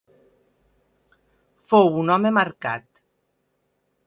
Fou un home marcat.